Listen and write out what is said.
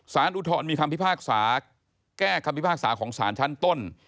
อุทธรณมีคำพิพากษาแก้คำพิพากษาของสารชั้นต้น